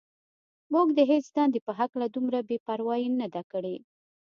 موږ د هېڅ دندې په هکله دومره بې پروايي نه ده کړې.